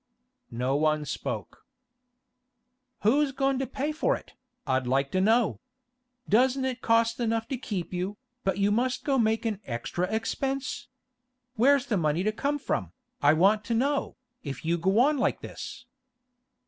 No one spoke. 'Who's goin' to pay for it, I'd like to know? Doesn't it cost enough to keep you, but you must go makin' extra expense? Where's the money to come from, I want to know, if you go on like this?